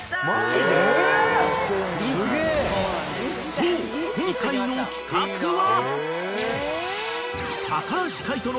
［そう今回の企画は］